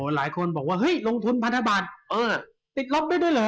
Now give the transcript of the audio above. หลายคนบอกว่าเฮ้ยลงทุนพันธบาทเออติดลบได้ด้วยเหรอ